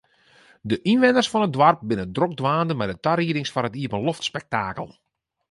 De ynwenners fan it doarp binne drok dwaande mei de tariedings foar it iepenloftspektakel.